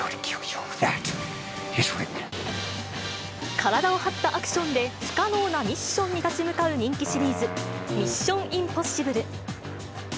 体を張ったアクションで、不可能なミッションに立ち向かう人気シリーズ、ミッション：インポッシブル。